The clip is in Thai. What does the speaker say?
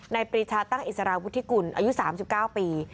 ปรีชาตั้งอิสราวุฒิกุลอายุ๓๙ปี